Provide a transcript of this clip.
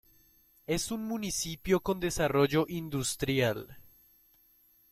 Es un municipio con desarrollo industrial.